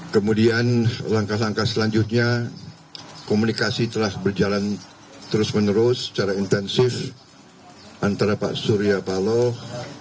kemudian langkah langkah selanjutnya komunikasi telah berjalan terus menerus secara intensif antara pak surya paloh